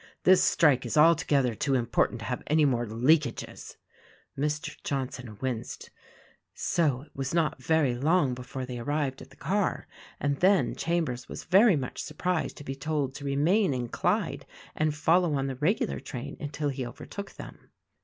This strike is altogether too important to have any more leakages." Mr. Johnson winced. So it was not very long before they arrived at the car, and then Chambers was very much surprised to be told to remain in Clyde and follow on the regular train until he overtook them.